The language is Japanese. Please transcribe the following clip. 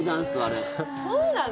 そうなの？